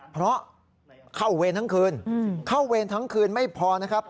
เพราะเข้าเวรทั้งคืนเข้าเวรทั้งคืนไม่พอนะครับ